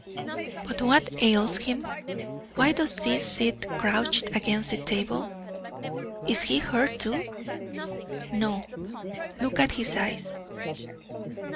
"But what ails him? Why does he sit crouched against the table? Is he hurt too?" "No; look at his eyes."